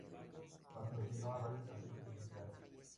Patrocinó a varios artistas mexicanos.